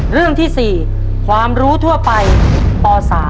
เรื่องที่๔ความรู้ทั่วไปป๓